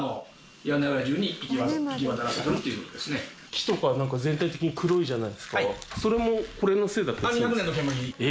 木とか全体的に黒いじゃないですかそれもこれのせいだったりするんですか？